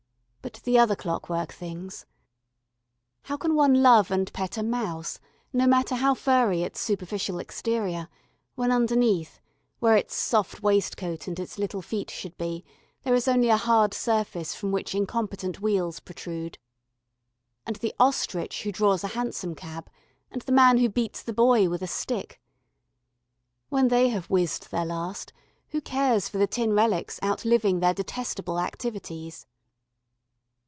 But the other clockwork things! How can one love and pet a mouse, no matter how furry its superficial exterior, when underneath, where its soft waistcoat and its little feet should be, there is only a hard surface from which incompetent wheels protrude? And the ostrich who draws a hansom cab, and the man who beats the boy with a stick? When they have whizzed their last, who cares for the tin relics outliving their detestable activities?